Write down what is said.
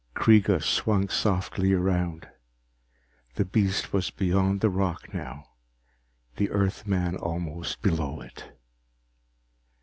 Kreega swung softly around. The beast was beyond the rock now, the Earthman almost below it.